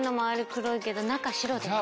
黒いけど中白でした。